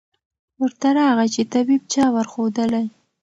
ورته راغی چي طبیب چا ورښودلی